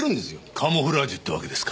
カムフラージュってわけですか。